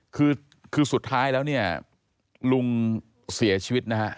คือคือสุดท้ายแล้วเนี่ยลุงเสียชีวิตนะฮะ